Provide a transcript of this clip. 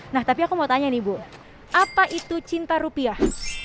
nah tapi aku mau tanya nih bu apa itu cinta rupiah